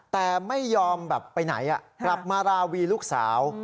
แต่ไม่ยอมแบบไปไหนกลับมาราวีลูกสาว